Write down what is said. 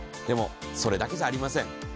でもそれだけじゃありません。